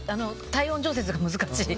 体温調節が難しい。